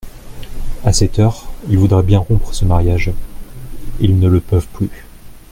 A cette heure, ils voudraient bien rompre ce mariage, ils ne le peuvent plus.